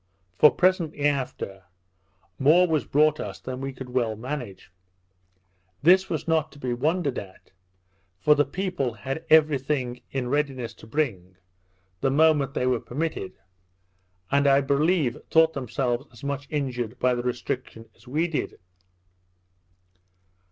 For presently after, more was brought us than we could well manage. This was not to be wondered at, for the people had every thing in readiness to bring, the moment they were permitted, and I believe thought themselves as much injured by the restriction as we did.